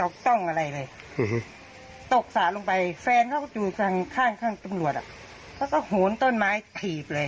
ก็เห็นตระลุมบ่นกันปุปะปุปะปุปะ๕รุ่มหนึ่ง